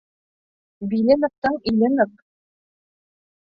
Биле ныҡтың иле ныҡ